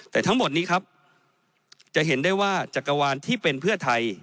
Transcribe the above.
แต่ทั้งหมดนี้ครับจะเห็นได้ว่าจักรวาลที่เป็นเพื่อไทย